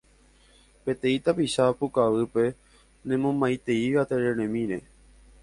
peteĩ tapicha pukavýpe nemomaiteíva tereremíre.